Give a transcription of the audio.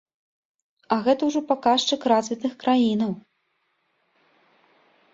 А гэта ўжо паказчык развітых краінаў.